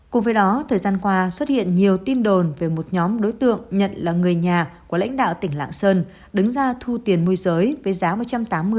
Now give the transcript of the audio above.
cùng với đó thời gian qua xuất hiện nhiều tin đồn về một nhóm đối tượng nhận là người nhà của lãnh đạo tỉnh lạng sơn đứng ra thu tiền môi giới với giá một trăm tám mươi đồng